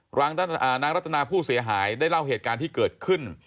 นางรัตนาผู้เสียหายได้เล่าเหตุการณ์ที่เกิดขึ้น